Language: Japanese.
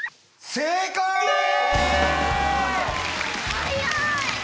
早い！